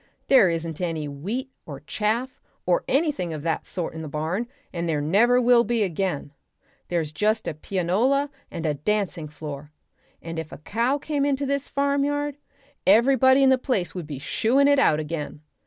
There isn't any wheat or chaff or anything of that sort in the barn, and there never will be again: there's just a pianola and a dancing floor, and if a cow came into this farmyard everybody in the place would be shooing it out again.